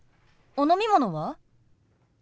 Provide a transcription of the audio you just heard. お飲み物は？